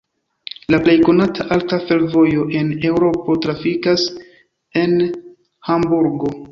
La plej konata alta fervojo en Eŭropo trafikas en Hamburgo.